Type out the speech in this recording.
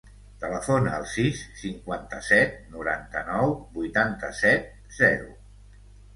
Telefona al sis, cinquanta-set, noranta-nou, vuitanta-set, zero.